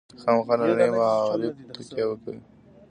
خامخا ننني معارف تکیه وکوي.